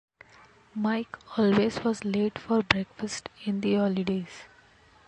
Mike always was late for breakfast in the holidays.